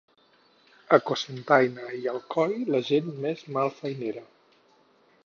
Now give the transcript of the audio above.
A Cocentaina i Alcoi, la gent més malfeinera.